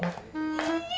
ya lari dah